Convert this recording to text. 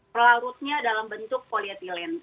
pelarutnya dalam bentuk polietilen